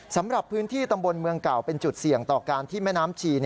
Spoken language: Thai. สำหรับพื้นที่ตำบลเมืองเก่าเป็นจุดเสี่ยงต่อการที่แม่น้ำชี